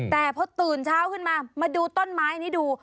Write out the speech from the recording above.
แต่พอตื่นเช้าขึ้นมามาดูต้นไม้นี้ดู